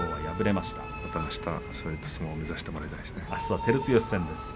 あしたはまたいい相撲を目指してもらいたいですね。